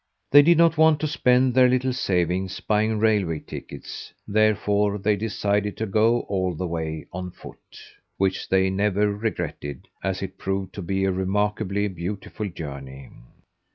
They did not want to spend their little savings buying railway tickets, therefore they decided to go all the way on foot, which they never regretted, as it proved to be a remarkably beautiful journey.